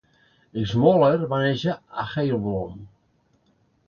Schmoller va néixer a Heilbronn.